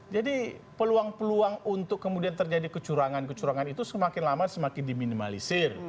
jadi peluang peluang untuk kemudian terjadi kecurangan kecurangan itu semakin lama semakin diminimalisir